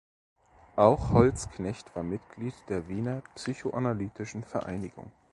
Auch Holzknecht war Mitglied der "Wiener Psychoanalytischen Vereinigung".